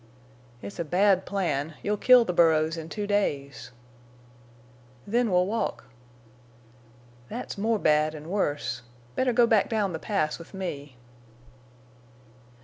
"It's a bad plan. You'll kill the burros in two days." "Then we'll walk." "That's more bad an' worse. Better go back down the Pass with me."